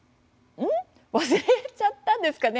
あれ忘れちゃったんですかね。